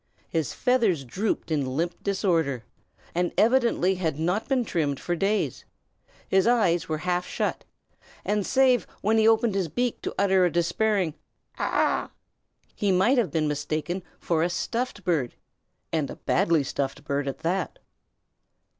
His feathers drooped in limp disorder, and evidently had not been trimmed for days; his eyes were half shut, and save when he opened his beak to utter a despairing "Caw!" he might have been mistaken for a stuffed bird, and a badly stuffed bird at that.